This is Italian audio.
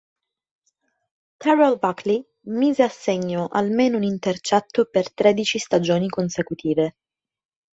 Terrell Buckley mise a segno almeno un intercetto per tredici stagioni consecutive.